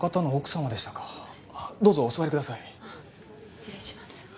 失礼します。